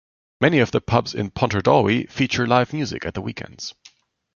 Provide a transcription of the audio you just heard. Many of the pubs in Pontardawe feature live music at the weekends.